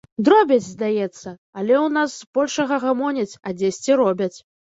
Дробязь, здаецца, але ў нас з большага гамоняць, а дзесьці робяць.